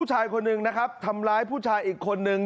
ชายคนหนึ่งนะครับทำร้ายผู้ชายอีกคนนึง